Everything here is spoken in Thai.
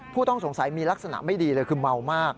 ผู้ต้องสงสัยมีลักษณะไม่ดีเลยคือเมามาก